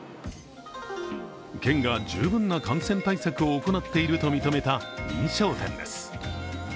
県が十分な感染対策を行っていると認めた認証店です。